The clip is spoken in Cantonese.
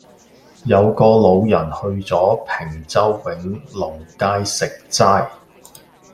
有個老人去左坪洲永隆街食齋